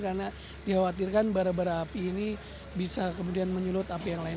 karena dikhawatirkan bara bara api ini bisa kemudian menyulut api yang lain